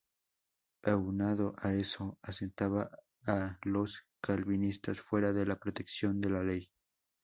Aunado a eso, asentaba a los calvinistas fuera de la protección de la ley.